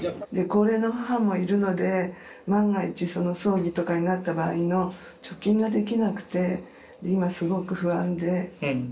高齢の母もいるので万が一葬儀とかになった場合の貯金ができなくて今すごく不安で。